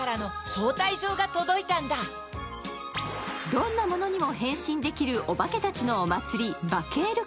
どんなものにも変身できるオバケたちのお祭りバケる